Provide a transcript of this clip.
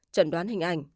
trần đoán hình ảnh